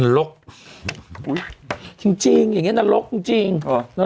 นรกอุ๊ยจริงจริงอย่างเงี้ยนรกจริงจริงอ๋อ